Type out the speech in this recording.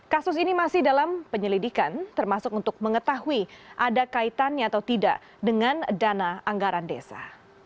kasus ini masih dalam penyelidikan termasuk untuk mengetahui ada kaitannya atau tidak dengan dana anggaran desa